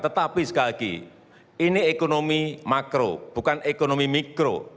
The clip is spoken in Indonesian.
tetapi sekali lagi ini ekonomi makro bukan ekonomi mikro